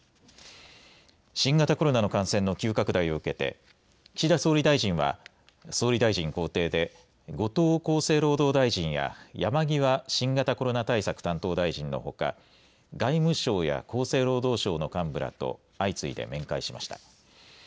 新型コロナの感染の急拡大を受けて岸田総理大臣は総理大臣公邸で後藤厚生労働大臣や山際新型コロナ対策担当大臣のほか外務省や厚生労働省の幹部らと相次いで面会しました。